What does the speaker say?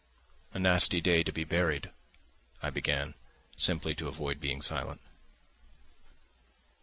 "A nasty day to be buried," I began, simply to avoid being silent.